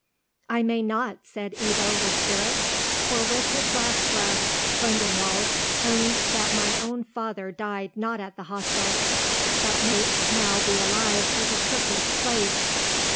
"I may not," said Ebbo, with spirit; "for with his last breath Schlangenwald owned that my own father died not at the hostel, but may now be alive as a Turkish slave."